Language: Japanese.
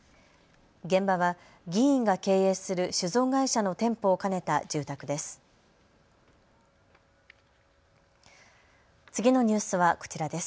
現場は議員が経営する酒造会社の店舗を兼ねた住宅です。